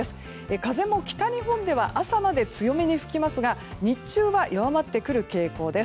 風も北日本では朝まで強めに吹きますが日中は弱まってくる傾向です。